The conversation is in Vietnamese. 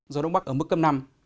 gió đông bắc ở mức cấp năm